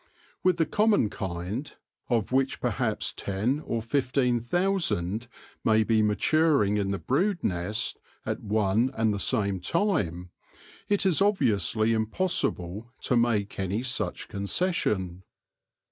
With the common kind, of which perhaps ten or fifteen thousand may be maturing in the brood nest at one and the same time, it is obviously impossible to make any such concession.